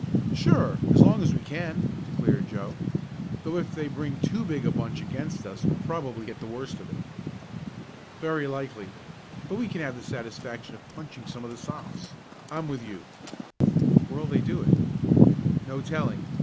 "Sure as long as we can," declared Joe. "Though if they bring too big a bunch against us we'll probably get the worst of it." "Very likely, but we can have the satisfaction of punching some of the Sophs. I'm with you." "Where'll they do it?" "No telling.